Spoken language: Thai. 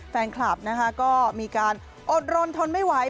แฟนคลับนะคะก็มีการอดรนทนไม่ไหว